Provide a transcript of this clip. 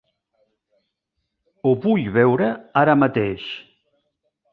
Ho vull veure ara mateix!